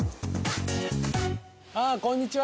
ああこんにちは！